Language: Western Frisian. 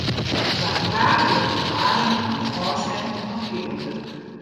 Der waard praat oer de gefaren fan it ôfstekken fan fjoerwurk.